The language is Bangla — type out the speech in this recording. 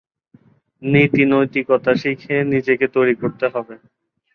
নীতি নৈতিকতা শিখে নিজেকে তৈরি করতে হবে।